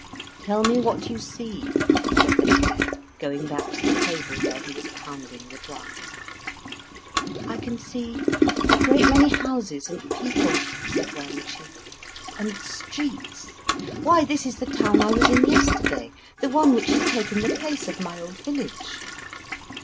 "Tell me what you see," said the Hare, going back to the table where he was pounding the drugs. "I can see a great many houses and people," said Wang Chih, "and streets why, this is the town I was in yesterday, the one which has taken the place of my old village."